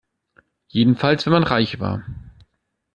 Jedenfalls wenn man reich war.